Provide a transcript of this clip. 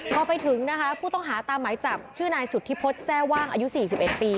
พอไปถึงนะคะผู้ต้องหาตามหมายจับชื่อนายสุธิพฤษแทร่ว่างอายุ๔๑ปี